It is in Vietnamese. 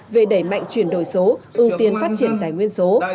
về đẩy mạnh chuyển đổi số ưu tiên phát triển tài nguyên số